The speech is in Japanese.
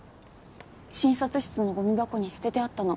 診察室のゴミ箱に捨ててあったの。